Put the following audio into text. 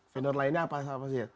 vendor lainnya apa apa sih